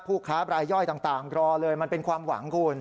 ค้าบรายย่อยต่างรอเลยมันเป็นความหวังคุณ